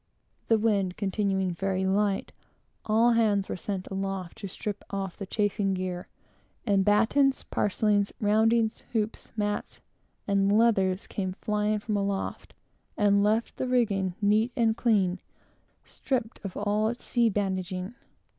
The wind continuing very light, all hands were sent aloft to strip off the chafing gear; and battens, parcellings, roundings, hoops, mats, and leathers, came flying from aloft, and left the rigging neat and clean, stripped of all its sea bandaging.